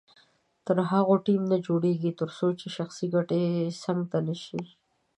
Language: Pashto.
تر هغو ټیم نه جوړیږي تر څو شخصي ګټې څنګ ته نه شي.